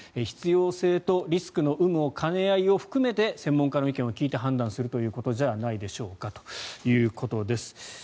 必要性とリスクの有無兼ね合いを含めて専門家の意見を聞いて判断するということじゃないでしょうかということです。